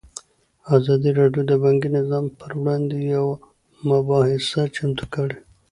ازادي راډیو د بانکي نظام پر وړاندې یوه مباحثه چمتو کړې.